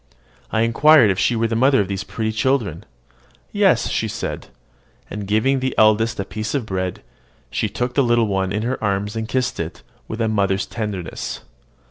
I inquired if she were the mother of those pretty children. "Yes," she said; and, giving the eldest a piece of bread, she took the little one in her arms and kissed it with a mother's tenderness.